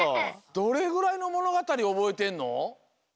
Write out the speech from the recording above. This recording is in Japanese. どれぐらいのものがたりおぼえてんの？